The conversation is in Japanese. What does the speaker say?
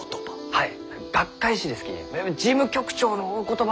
はい。